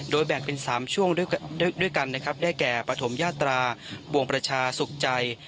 แบ่งเป็น๓ช่วงด้วยกันนะครับได้แก่ปฐมยาตราบวงประชาสุขใจ